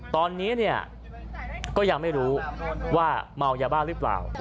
ตอนนี้เนี่ยก็ยังไม่รู้ว่าเมายาบ้าหรือเปล่า